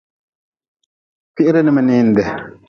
Kwiri n mininde.